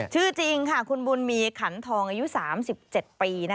ชื่อจริงค่ะคุณบุญมีขันชาธารอายุ๓๗ปี